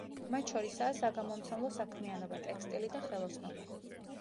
მათ შორისაა საგამომცემლო საქმიანობა, ტექსტილი და ხელოსნობა.